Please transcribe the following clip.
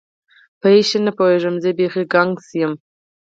په هیڅ شي نه پوهېږم، زه بیخي ګنګس یم.